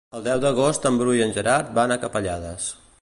El deu d'agost en Bru i en Gerard van a Capellades.